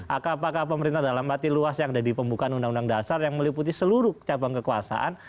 apakah pemerintah dalam arti luas yang ada di pembukaan undang undang dasar yang meliputi seluruh cabang kekuasaan